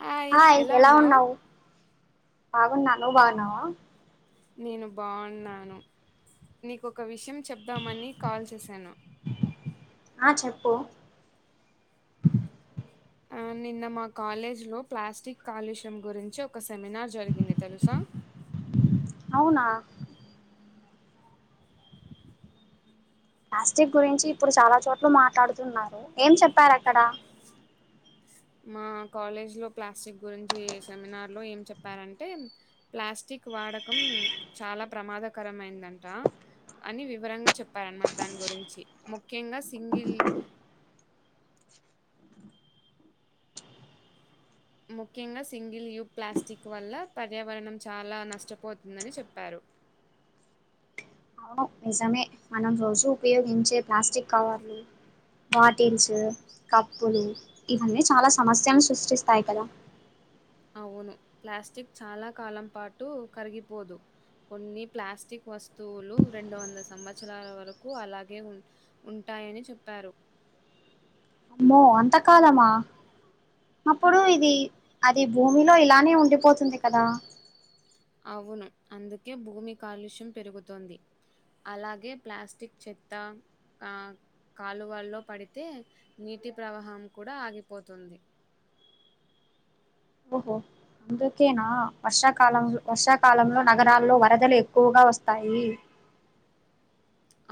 Hi ఎలా ఉన్నావ్ బాగున్నా నువ్వు బాగున్నావా నేను బాగున్నాను నీకొక విషయం చెప్దామని కాల్ చేశాను ఆ చెప్పు ఆ నిన్న మా కాలేజ్ లో ప్లాస్టిక్ కాలుష్యం గురించి ఒక్ ఒక సెమినార్ జరిగింది తెలుసా అవునా ప్లాస్టిక్ గురించి ఇప్పుడు చాలా చోట్ల మాట్లాడుతున్నారు ఏం చెప్పారు అక్కడ మా కాలేజ్ లో ప్లాస్టిక్ గురించి సెమినార్ లో ఏం చెప్పారంటే ప్లాస్టిక్ వాడకం చాలా ప్రమాదకరం అయిందంట అని వివరంగా చెప్పారన్నమాట దాని గురించి ముఖ్యంగా సింగిల్ ముఖ్యంగా సింగిల్ యూ ప్లాస్టిక్ వల్ల పర్యావరణం చాలా నష్టపోతుందని చెప్పారు అవును నిజమే మనం రోజూ ఉపయోగించే ప్లాస్టిక్ కవర్లు బాటిల్స్ కప్పులు ఇవన్నీ చాలా సమస్యలు సృష్టిస్తాయి కదా అవును. ప్లాస్టిక్ చాలా కాలం పాటు కరిగిపోదు. కొన్ని ప్లాస్టిక్ వస్తువులు, రెండు వందల సంవత్సరాల వరకు అలాగే ఉ ఉంటా యని చెప్పారు. అమ్మో! అంతకాలమా? అప్పుడు ఇది అది భూమిలో ఇలానే ఉండిపోతుంది కదా! అవును, అందుకే భూమి కాలుష్యం పెరుగుతోంది. అలాగే ప్లాస్టిక్ చెత్త, ఆ కాలువల్లో పడితే నీటి ప్రవాహం కూడా ఆగిపోతుంది. ఓహో! అందుకేనా, వర్షాకాలం వర్షాకాలంలో నగరాల్లో వరదలు ఎక్కువగా వస్తాయి.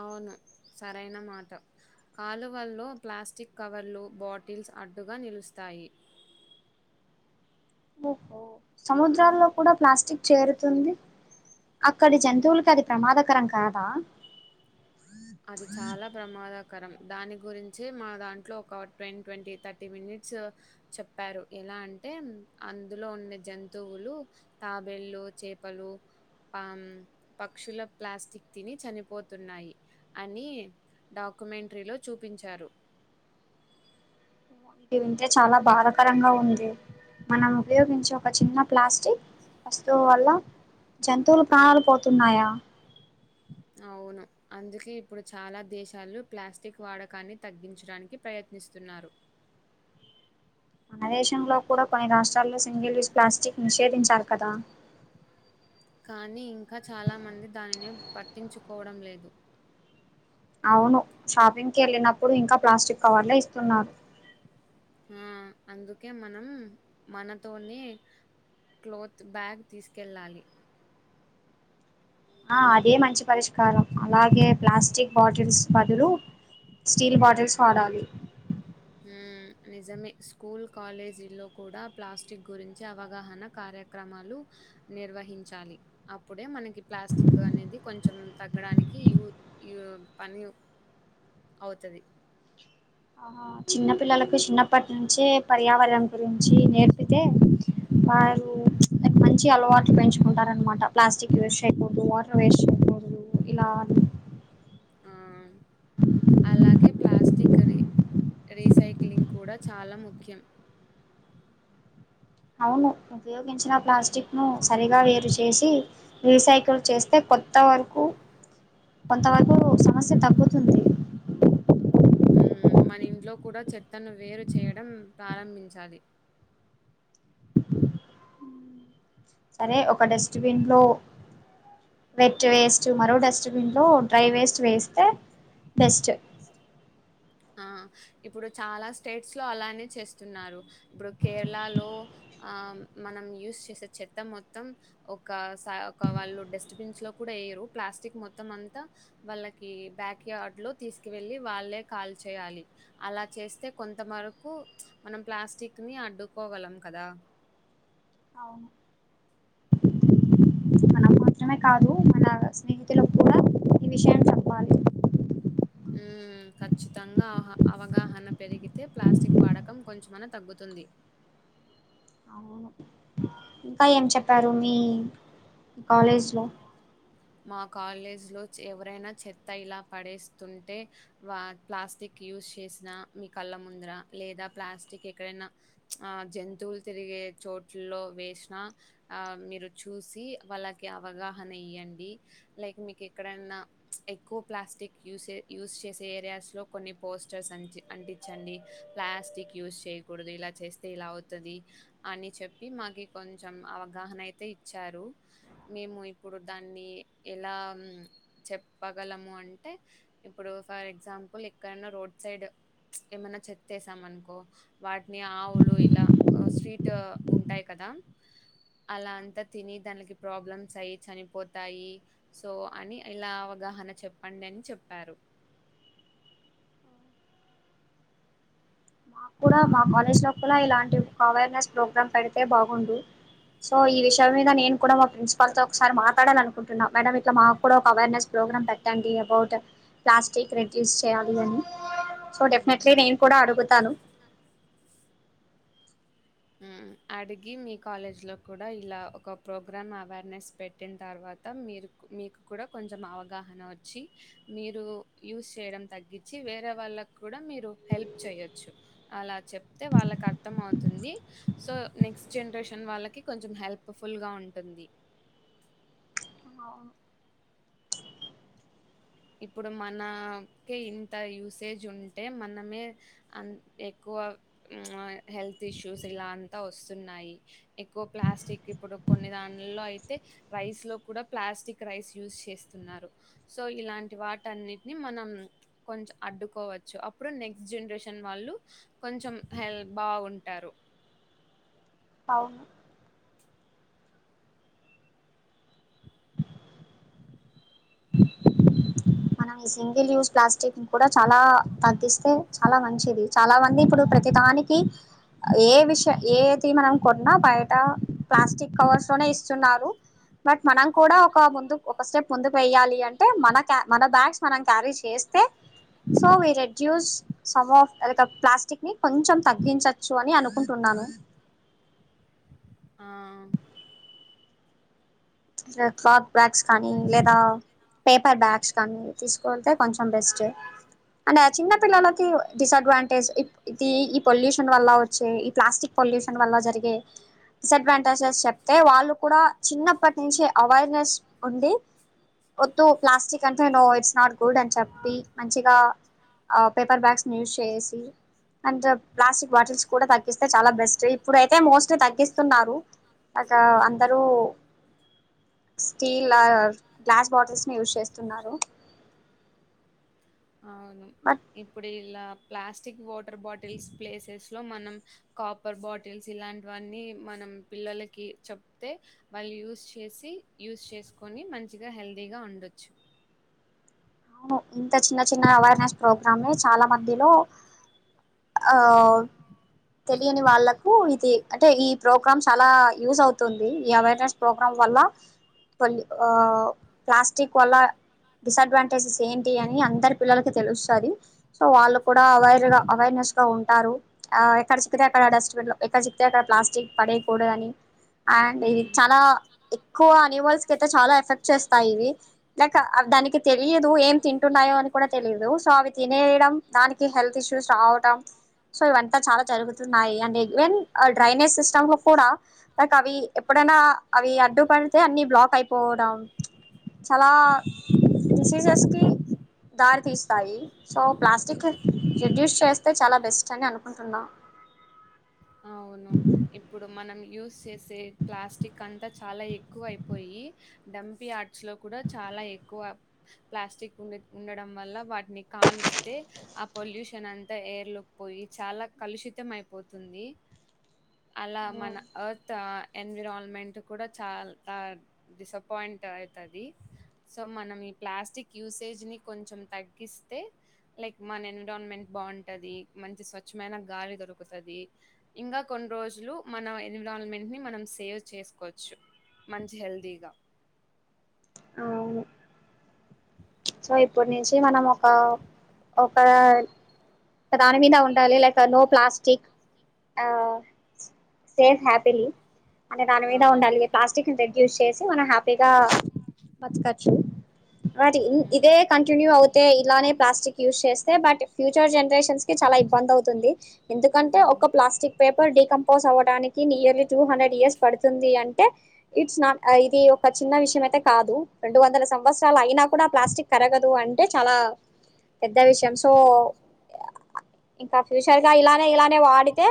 అవును, సరైన మాట. కాలువల్లో ప్లాస్టిక్ కవర్లు, బాటిల్స్ అడ్డుగా నిలుస్తాయి. ఓహో! సముద్రాల్లో కూడా ప్లాస్టిక్ చేరుతుంది. అక్కడి జంతువులకి అది ప్రమాదకరం కాదా? అది చాలా ప్రమాదక రం దాని గురించి, మా దాంట్లో ఒక టెన్, ట్వంటీ థర్టీ మినిట్స్ చెప్పారు. ఎలా అంటే అందులో ఉన్న జంతువులు తాబేళ్లు, చేపలు పాము, పక్షుల ప్లాస్టిక్ తిని చనిపోతున్నాయి. అని డాక్యుమెంటరీలో చూపించారు. ఇది వింటే చాలా బాధాకరంగా ఉంది. మనం ఉపయోగించే ఒక చిన్న ప్లాస్టిక్ వస్తువు వల్ల జంతువులు ప్రాణాలు పోతున్నాయా? అవును. అందుకే ఇప్పుడు చాలా దేశాలు ప్లాస్టిక్ వాడకాన్ని తగ్గించడానికి ప్రయత్న ప్రయత్నిస్తున్నారు. అ [unintelligible] మన దేశంలో కూడా కొన్ని రాష్ట్రాల్లో సింగిల్ యూస్ ప్లాస్టిక్ నిషేధించారు కదా? కానీ ఇంకా చాలా మంది, దానిని పట్టించుకోవడం లేదు. అవును షాపింగ్కి, వెళ్ళినప్పుడు ఇంకా ప్లాస్టిక్ కవర్లే ఇస్తున్నారు. ఆ, అందుకే మనం మనతోనే క్లోత్ బ్యాగ్ తీసుకెళ్ళాలి. ఆ అదే మంచి పరిష్కారం. అలాగే ప్లాస్టిక్ బాటిల్స్ బదులు స్టీల్ బాటిల్స్ వాడాలి. మ్, నిజమే స్కూల్, కాలేజీ లో కూడా ప్లాస్టిక్ గురించి అవగాహన కార కార్యక్రమాలు నిర్వహించాలి. అప్పుడే మనకి ప్లాస్టిక్ అనేది కొంచెం తగ్గడానికి దానికి యూత్ యు పని అవుతాది. చిన్న పిల్లలకు చిన్నప్పటి నుంచే పర్యావరణం గురించి నేర్పితే వాళ్ళు మంచి అలవాట్లు పెంచుకుంటారు అన్నమాట. ప్లాస్టిక్ వేస్ట్ చేయకూడదు, వాటర్ వేస్ట్ చేయకడదు. ఇలా అలాగే ప్లాస్టిక్ రీ రీసైక్లింగ్ కూడా చాలా ముఖ్యం. అవును, ఉపయోగించిన ప్లాస్టిక్ ను సరిగా వేరు చేేసి రిసైకిల్ చేస్తే. కొత్త వరకు కొంతవరకు సమస్య తగ్గుతుంది. మన ఇంట్లో కూడా చెత్తను వేరు చేయడం ప్రారంభించాలి. సరే ఒక డస్ట్బిన్ లో వెట్ వేస్ట్, మరో డస్ట్బిన్ లో డ్రై వేస్ట్ వేస్తే బెస్ట్. ఆ ఇప్పుడు చాలా స్టేట్స్ లో అలానే చేస్తున్నారు ఇప్పుడు కేరళ లో ఆ మనం యూస్ చేసే చెత్త మొత్తం ఒక సా ఒక వాళ్ళు డస్ట్బిన్స్ లో కూడా పేరు ప్లాస్టిక్ మొత్తం అంతా వాళ్ళకి బ్యాక్యార్డ్ లో తీసుకు వెళ్ళి వాళ్ళే కాల్ చేయాలి అలా చేస్తే కొంత వరకు మనం ప్లాస్టిక్ అడ్డుకోగలం కదా అవును మనం మాత్రమే కాదు మన స్నేహితులకు కూడా ఈ విషయం చెప్పాలి హ్మ్. ఖచ్చితంగా అవహ అవగాహన పెరిగితే ప్లాస్టిక్ వాడకం కొంచెమన్నా తగ్గుతుంది అవును ఇంకా ఏం చెప్పారు మీ కాలేజ్లో మా కాలేజ్ లో ఎవరైనా చెత్త ఇలా పడేస్తుంటే వా ప్లాస్టిక్ యూజ్ చేసిన మీ కళ్ళ ముందర లేదా ప్లాస్టిక్ ఎక్కడైనా ఆ జంతువులు తిరిగే చోట్లల్లో వేసినా ఆ మీరు చూసి వాళ్ళకి అవగాహన ఇయ్యండి లైక్ మీకు ఎక్కడన్నా ఎక్కువ ప్లాస్టిక్ యూస్ చేసే ఏరియాస్ లో కొన్ని పోస్టర్స్ అంటి అంటించండి ప్లాస్టిక్ యూస్ చేయకూడదు ఇలా చేస్తే ఇలా అవుతది అని చెప్పి మాకి కొంచెం అవగాహన అయితే ఇచ్చారు మేము ఇప్పుడు దాన్ని ఎలా చెప్పగలము అంటే ఇప్పుడు ఫర్ ఎగ్జాంపుల్ ఎక్కడనా రోడ్ సైడ్ సైడు ఏమైన్నా చెత్తేశాం అనుకో వాటిని ఆవులు ఇలా స్వీట్ ఉంటాయి కదా అలా అంతా తిని దానికి ప్రాబ్లమ్స్ అయి చనిపోతే తాయి సో అని ఇలా అవగాహన చెప్పండి అని చెప్పారు మాకు కూడా మా కాలేజ్ లోపల ఇలాంటి ఒక అవేర్నెస్ ప్రోగ్రామ్ పెడితే బాగుండు సో ఈ విషయం మీద నేను కూడా మా ప్రిన్సిపాల్ తో ఒకసారి మాట్లాడాలి అనుకుంటున్నా మేడం ఇట్లా మాకు కూడా ఒక అవేర్నెస్ ప్రోగ్రామ్ పెట్టండి అబౌట్ ప్లాస్టిక్ రిడ్యూస్చేయాలి అని సో డెఫినెట్లీ మ్మ్. నేను కూడా అడుగుతాను హ్మ్మ్ అడిగి మీ కాలేజ్ లో కూడా ఇలా ఒక ప్రోగ్రామ్ అవేర్నెస్ పెట్టిన తర్వాత త మీరు మీకు కూడా కొంచెం అవగాహన వచ్చి మీరు యూస్ చేయడం తగ్గించి చ్చి వేరే వాళ్ళకి కూడా మీరు హెల్ప్ చేయొచ్చు అలా చెప్తే వాళ్ళకి అర్థం అవుతుంది సో నెక్స్ట్ జనరేషన్ వాళ్ళకి కొంచెం హెల్ప్ఫుల్ గా ఉంటుంది ఇప్పుడు మనకే ఇంత యూసేజ్ ఉంటే మనమే ఎక్కువ ఎక్ హెల్త్ ఇష్యూస్ ఇలా అంతా వస్తున్నాయి ఎక్కువ ప్లాస్టిక్ ఇప్పుడు కొన్ని దాంట్లల్లో అయితే రైస్ లో కూడా ప్లాస్టిక్ రైస్ యూజ్ చేస్తున్నారు సో ఇలాంటి వాటన్నిటిని మనం కొంచం అడ్డుకోవచ్చు అప్పుడు నెక్స్ట్ జనరేషన్ వాళ్ళు కొంచెం హెల్ బావుంటారు అవును మనం ఈ సింగిల్ యూస్ ప్లాస్టిక్ కూడా చాలా తగ్గిస్తే చాలా మంచిది చాలా మంది ఇప్పుడు ప్రతి దానికి ఏ విషయం ఏది మనం కొన్నా బయట ప్లాస్టిక్ కవర్స్ లోనే ఇస్తున్నారు బట్ మనం కూడా ఒక ముందు ఒక స్టెప్ ముందుకు వెయాలి అంటే మనక మన బ్యాగ్స్ మనం క్యారీ చేస్తే so we reduce some of plastic ని కొంచెం తగ్గించచ్చు అని అనుకుంటున్నారు అను ఆ వేక్ అప్ బ్యాగ్స్ కానీ లేదా పేపర్ బ్యాగ్స్ కానీ తీసుకెళ్తే కొంచెం బెస్ట్ అంటే ఆ చిన్న ఉమ్ పిల్లలకి డిసడ్వాంటేజ్ ఇది ఈ పొల్యూషన్ వల్ల వచ్చే ఈ ప్లాస్టిక్ పొల్యూషన్ వల్ల జరిగే డిసడ్వాంటేజెస్ చెప్తే వాళ్ళు కూడా చిన్నప్పటి నుంచి అవేర్నెస్ ఉండి వద్దు ప్లాస్టిక్ అంటే నో ఇట్స్ నాట్ గుడ్ అని చెప్పి మంచిగా పేపర్ బ్యాగ్స్ యూస్ చేసి అండ్ ప్లాస్టిక్ బాటిల్స్ కూడా తగ్గిస్తే చాలా బెస్ట్ ఇప్పుడుయితే మోస్ట్ తగ్గిస్తున్నారు అగా అందరూ స్టీల్ గ్లాస్ బాటిల్స్ ని యూస్ చేస్తున్నారు అవును బట్ ఇప్పుడే ఇలా ప్లాస్టిక్ వాటర్ బాటిల్స్ ప్లేసెస్ లో మనం కాపర్ బాటిల్స్ ఇలాంటివన్నీ మనం పిల్లలకి చెప్తే వాళ్లు యూస్ చేసి యూస్ చేసుకొని మంచిగా హ్యాపీగా హెల్దీగా ఉండొచ్చు అవును ఇంత చిన్న చిన్న అవేర్నెస్ ప్రోగ్రాం చాలా మందిలో ఆ తెలియని వాళ్ళలకు ఇది అంటే ఈ ప్రోగ్రామ్ చాలా యూజ్ అవుతుంది ఈ అవేర్నెస్ ప్రోగ్రామ్ వల్ల ప్లాస్టిక్ వల్ల డిసడ్వాంటే సేంద్రీయ అని అందరి పిల్లలకి తెలుస్తుంది సో వాళ్ళు కూడా అవైర్గా అవేర్నెస్ గా ఉంటారు ఆ ఎక్కడ చిక్తే అక్కడ డస్ట్బిన్ లో ఎక్కడ చిక్తే అక్కడ ప్లాస్టిక్ పడేయకూడదని అండ్ ఇది చాలా ఎక్కువ అనిమల్స్ కయితే చాలా ఎఫెక్ట్ చేస్తాయి ఇవి లైక్ దానికి తెలియదు ఏం తింటున్నాయో అని కూడా తెలిదు సో అవి తినేయడం దానికి హెల్త్ ఇష్యూస్ రావడం సో ఇవంతా చాలా జరుగుతున్నాయి అండ్ ఈవెన్ ఆ డ్రైనేజ్ సిస్టమ్ లో కూడా లైక్ అవి ఎప్పుడై నా అవి అడ్డుపడితే అన్ని బ్లాక్ అయిపోవడం చాలా విశేషస్కి దారి తీస్తాయి సో ప్లాస్టిక్ రిడ్యూస్ చేస్తే చాలా బెస్ట్ అని అనుకుంటున్నాం అవును ఇప్పుడు మనం యూస్ చేసే ప్లాస్టిక్ అంతా చాలా ఎక్కువ అయిపోయి డంప్ యార్డ్స్ లో కూడా చాలా చ ఎక్కువ ప్లాస్టిక్ ఉండడం వల్ల వాటిని కాలుస్తే ఆ పొల్యూషన్ అంతా ఎయిర్ లుక్ పోయి చాలా కలుషితం అయిపోతుంది ఉంది అలా మన అర్త్ ఎన్విరాల్మెంట్ కూడా చాలా డిసప్పయింట్ అయితది సో మనం ఈ ప్లాస్టిక్ యూసేజ్ ని కొంచెం తగ్గిస్తే లైక్ మన ఎన్విరాన్మెంట్ బాగుంటది మంచి స్వచ్ఛమైన గాలి దొరుకుతుంది ఇంకా కొన్ని రోజులు మన ఎన్విరాన్మెంట్ ని మనం సేవ్ చేసుకోవచ్చు మంచి హెల్దీగా అవు సో ఇప్పుడు నుంచి మనం ఒక ఒక దాని మీద ఉండి లైక్ నో ప్లాస్క్ ఇట్ ఆ సేఫ్ హ్యాపీలీ అనే దాని మీద అవును. ఉండాలి ప్లాస్టిక్ ని రిడ్యూస్ చేసి మనం హ్యాపీగా మచికచ్చు బట్ హ్మ్ ఇదే కంటిన్యూ అవుతే ఇలానే ప్లాస్టిక్ యూజ్ చేస్తే బట్ ఫ్యూచర్ జన చాలా ఇబ్బంది అవుతుంది ఎందుకంటే ఒక హ్మ్ ప్లాస్టిక్ పేపర్ డీకంపోజ్ అవ్వడానికి నియర్లీ టూ హండ్రెడ్ ఇయర్స్ పడుతుంది అంటే ఇట్స్ నాట్ ఐడి ఒక చిన్న విషయం అయితే కాదు రెండు వందల సంవత్సరాలు అయినా కూడా ప్లాస్టిక్ కరగదు అంటే చాలా పెద్ద విషయం సో ఇంకా ఫ్యూచర్ గా ఇలానే ఇలానే వాడితే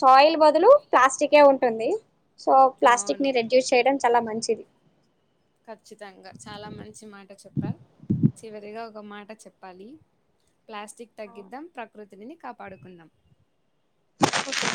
సాయిల్ బదులు ప్లాస్టిక్ కే ఉంటుంది సో అవును. ప్లాస్టిక్ని రెడ్యూస్ చేయడం చాలా మంచిది కచ్చితంగా చాలా మంచి మాట చెప్పారు చివరిగా ఒక మాట చెప్పాలి ప్లాస్టిక్ తగ్గిద్దాం ప్రకృతిని కాపాడుకుందాం ఓకే